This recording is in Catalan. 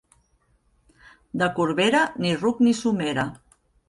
De Corbera, ni ruc ni somera.